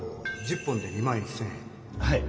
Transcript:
はい。